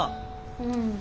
うん。